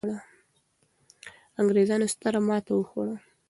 انګرېزانو ستره ماته وخوړه.